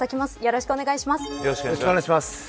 よろしくお願いします。